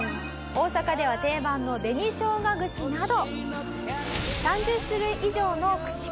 大阪では定番の紅しょうが串など。